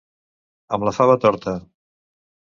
Amb la fava torta.